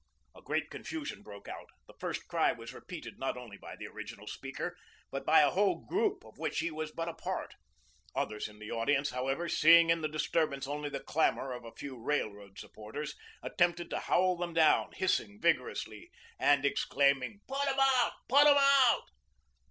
A great confusion broke out. The first cry was repeated not only by the original speaker, but by a whole group of which he was but a part. Others in the audience, however, seeing in the disturbance only the clamour of a few Railroad supporters, attempted to howl them down, hissing vigorously and exclaiming: "Put 'em out, put 'em out."